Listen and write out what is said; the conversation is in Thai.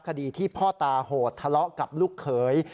คดีที่พ่อตาโหดทะเลาะกับลูกเขย